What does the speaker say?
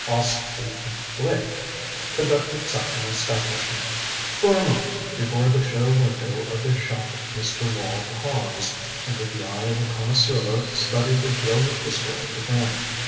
Ostby and Blake conducted such an establishment. For a moment before the show window of this shop Mr. Wall paused, and with the eye of a connoisseur studied the brilliant display within.